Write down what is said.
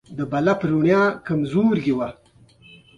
د بلب رڼا کمزورې وه.